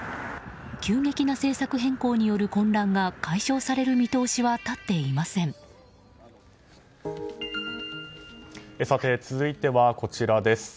急激な政策変更による混乱が解消される見通しはさて、続いてはこちらです。